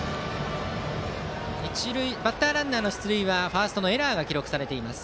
バッターランナーの出塁はファーストのエラーが記録されています。